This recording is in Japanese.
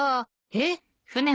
えっ！？